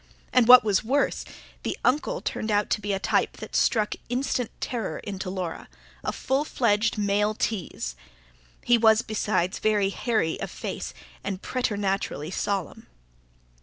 And, what was worse, the Uncle turned out to be a type that struck instant terror into Laura: a full fledged male tease. He was, besides, very hairy of face, and preternaturally solemn.